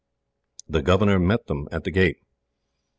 The governor met them at the gate.